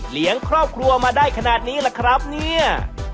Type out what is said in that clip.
เลี้ยงครอบครัวมาได้ขนาดนี้ล่ะครับเนี่ย